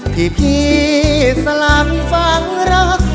ที่พี่สลัมฟังรัก